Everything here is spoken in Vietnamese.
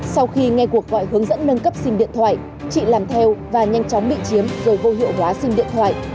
sau khi nghe cuộc gọi hướng dẫn nâng cấp sim điện thoại chị làm theo và nhanh chóng bị chiếm rồi vô hiệu hóa sim điện thoại